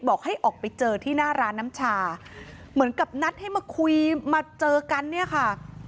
บอกให้ออกไปเจอที่หน้าร้านน้ำชาเหมือนกับนัดให้มาคุยมาเจอกันเนี่ยค่ะ